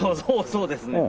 そうですね。